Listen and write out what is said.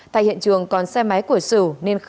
tại hiện trường còn xe máy của sửu